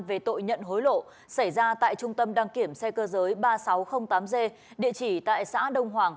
về tội nhận hối lộ xảy ra tại trung tâm đăng kiểm xe cơ giới ba nghìn sáu trăm linh tám g địa chỉ tại xã đông hoàng